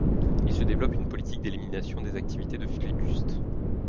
Il se développe une politique d'élimination des activités de flibustes.